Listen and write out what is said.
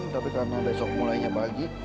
tapi karena besok mulainya pagi